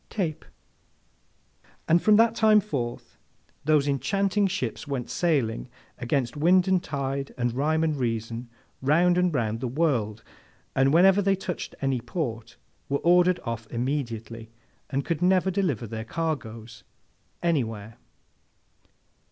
—Tape!' And from that time forth, those enchanting ships went sailing, against wind and tide and rhyme and reason, round and round the world, and whenever they touched at any port were ordered off immediately, and could never deliver their cargoes anywhere.